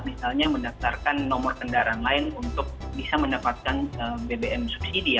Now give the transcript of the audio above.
misalnya mendaftarkan nomor kendaraan lain untuk bisa mendapatkan bbm subsidi ya